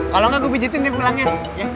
kalau enggak gue pijitin deh pulangnya